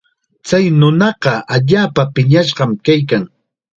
Chay nunaqa allaapa piñashqam kaykan.